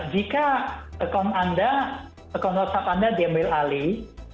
jika akun whatsapp anda diambil alih